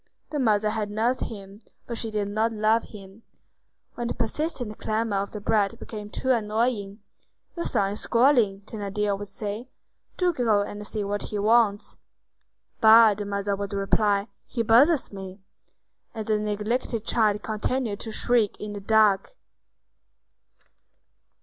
The mother had nursed him, but she did not love him. When the persistent clamor of the brat became too annoying, "Your son is squalling," Thénardier would say; "do go and see what he wants." "Bah!" the mother would reply, "he bothers me." And the neglected child continued to shriek in the dark.